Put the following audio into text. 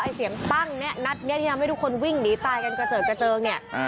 เสียงปั้งเนี่ยนัดนี้ที่ทำให้ทุกคนวิ่งหนีตายกันกระเจิดกระเจิงเนี่ย